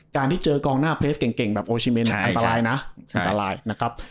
การที่เจอกองหน้าเพจเก่งแบบโอชิเมนอันตรายนะอันตรายนะครับ